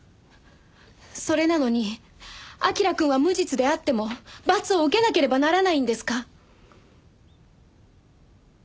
それなのに彬くんは無実であっても罰を受けなければならないんですか？